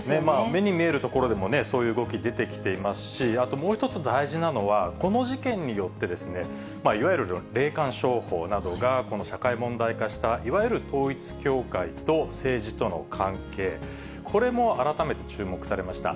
目に見えるところでもね、そういう動き、出てきていますし、あともう一つ大事なのは、この事件によって、いわゆる霊感商法などが、この社会問題化した、いわゆる統一教会と政治との関係、これも改めて注目されました。